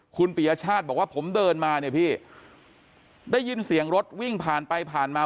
คุณปียชาติบอกว่าผมเดินมาเนี่ยพี่ได้ยินเสียงรถวิ่งผ่านไปผ่านมา